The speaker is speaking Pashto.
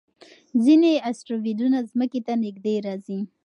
ځینې اسټروېډونه ځمکې ته نږدې راځي.